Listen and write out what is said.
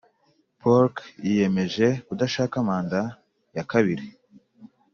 polk yiyemeje kudashaka manda ya kabiri